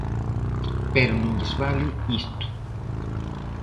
Pero non lles vale isto.